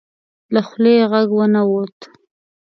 له خولې یې غږ ونه وت.